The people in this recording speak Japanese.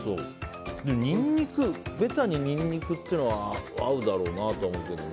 でもベタにニンニクというのは合うだろうなとは思うけどな。